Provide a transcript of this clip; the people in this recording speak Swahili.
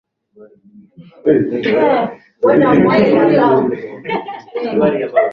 Kudumisha maadili katika jamii kwa kuelekeza, kuonya na kunasihi hadhira jinsi ya kufuata mwelekeo unaokubalika katika jamii.